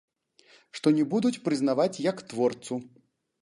Што не будуць прызнаваць як творцу.